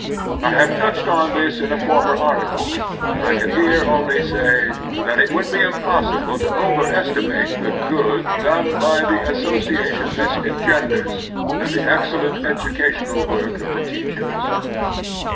I have touched on this in a former article, and I can here only say that it would be impossible to overestimate the good done by the association this engenders, and the excellent educational work of the teachers.